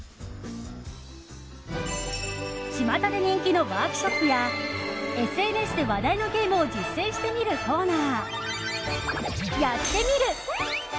ちまたで人気のワークショップやＳＮＳで話題のゲームを実践してみるコーナー